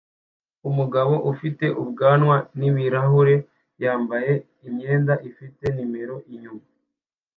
Umugabo ufite ubwanwa n'ibirahure yambaye umwenda ufite nimero "" inyuma